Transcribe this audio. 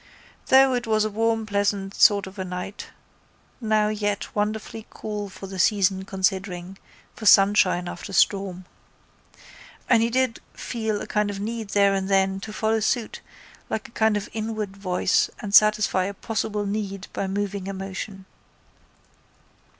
Though it was a warm pleasant sort of a night now yet wonderfully cool for the season considering, for sunshine after storm. And he did feel a kind of need there and then to follow suit like a kind of inward voice and satisfy a possible need by moving a motion.